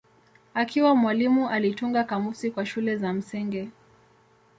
Akiwa mwalimu alitunga kamusi kwa shule za msingi.